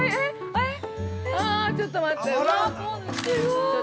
ええ、ちょっと待って。